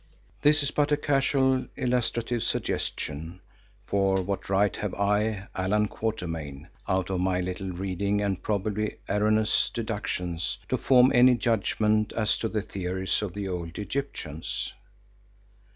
This is but a casual illustrative suggestion, for what right have I, Allan Quatermain, out of my little reading and probably erroneous deductions, to form any judgment as to the theories of the old Egyptians?